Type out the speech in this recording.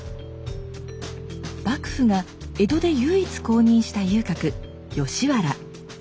幕府が江戸で唯一公認した遊郭吉原。